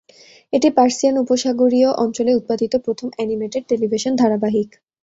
এটি পার্সিয়ান উপসাগরীয় অঞ্চলে উৎপাদিত প্রথম অ্যানিমেটেড টেলিভিশন ধারাবাহিক।